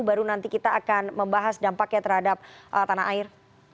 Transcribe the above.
baru nanti kita akan membahas dampaknya terhadap tanah air